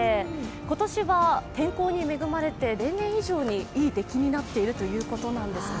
今年は天候に恵まれて例年以上にいい出来になっているということなんですね。